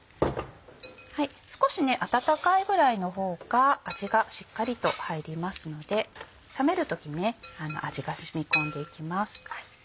少し温かいぐらいの方が味がしっかりと入りますので冷める時味が染み込んでいきます。